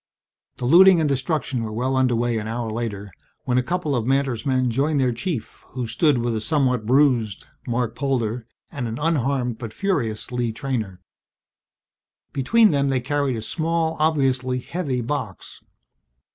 The looting and destruction were well under way an hour later when a couple of Mantor's men joined their chief, who stood with a somewhat bruised Marc Polder and an unharmed but furious Lee Treynor. Between them they carried a small, obviously heavy box.